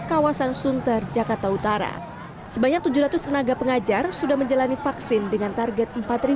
kawasan sunter jakarta utara sebanyak tujuh ratus tenaga pengajar sudah menjalani vaksin dengan target